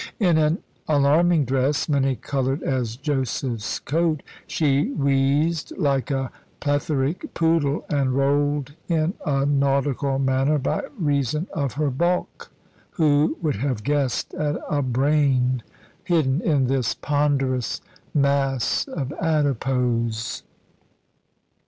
In an alarming dress, many coloured as Joseph's coat, she wheezed like a plethoric poodle, and rolled in a nautical manner by reason of her bulk. Who would have guessed at a brain hidden in this ponderous mass of adipose?